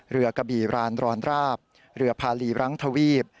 เรือกระบี่รานรรราบเหลือภาลีรังทวีบ